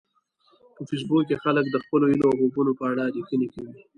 په فېسبوک کې خلک د خپلو هیلو او خوبونو په اړه لیکنې کوي